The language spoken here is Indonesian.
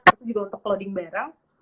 itu juga untuk cloading barang